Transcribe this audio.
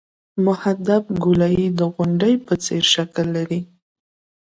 محدب ګولایي د غونډۍ په څېر شکل لري